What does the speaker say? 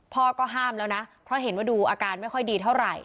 พ่อก็ห้ามแล้วนะเพราะเห็นว่าดูอาการไม่ค่อยดีเท่าไหร่